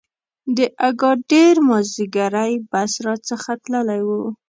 د اګادیر مازیګری بس را څخه تللی و.